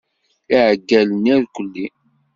I yiɛeggalen irkkeli.